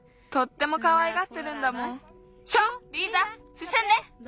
すすんで！